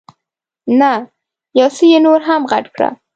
نه، یو څه یې نور هم غټ کړه.